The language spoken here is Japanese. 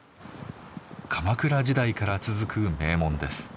鎌倉時代から続く名門です。